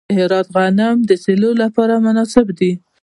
د هرات غنم د سیلو لپاره مناسب دي.